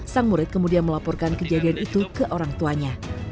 sang murid kemudian melaporkan kejadian itu ke orang tuanya